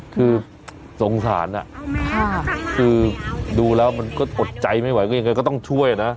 คือสงสารคือดูแล้วมันก็อดใจไม่ไหวก็ยังไงก็ต้องช่วยนะ